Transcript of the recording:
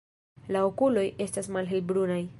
La okuloj estas malhelbrunaj.